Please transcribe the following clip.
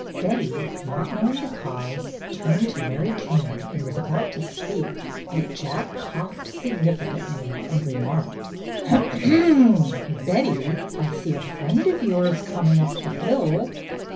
Betty, not knowing the cause, turned to Mary King and was about to speak, but J ack coughed significantly and remarked : "Ahem! Betty, I see a friend of yours coming up the hill.